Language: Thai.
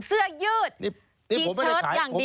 เสื้อยืดทีเชิดอย่างดี